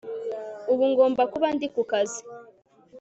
Ubu ngomba kuba ndi ku kazi